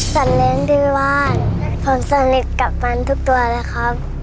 สำเร็จด้วยว่าผมสำเร็จกับมันทุกตัวแล้วครับ